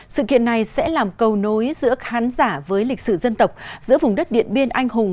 sự kiện này sẽ làm cầu nối giữa khán giả với lịch sử dân tộc giữa vùng đất điện biên anh hùng